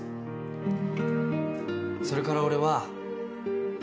それから俺は。